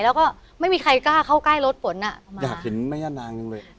แล้วก็ไม่มีใครกล้าเข้าใกล้รถฝนอ่ะอยากเห็นแม่ย่านางจังเลย